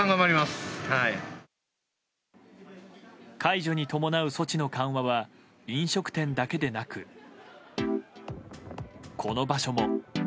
解除に伴う措置の緩和は飲食店だけでなくこの場所も。